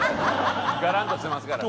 ガランとしてますからね。